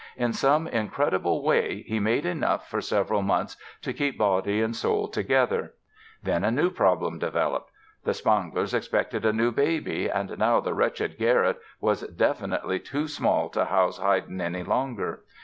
In some incredible way he made enough for several months to keep body and soul together. Then a new problem developed. The Spanglers expected a new baby and now the wretched garret was definitely too small to house Haydn any longer.